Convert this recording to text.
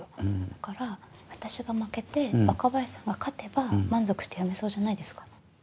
だから私が負けて若林さんが勝てば満足してやめそうじゃないですかね？